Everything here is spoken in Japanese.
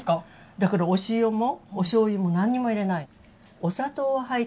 だからお塩もおしょうゆも何にも入れない。